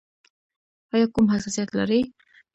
ایا کوم حساسیت لرئ؟